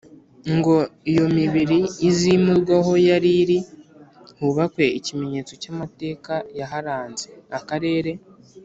ngo iyo mibiri izimurwe aho yari iri hubakwe Ikimenyetso cy amateka yaharanze Akarere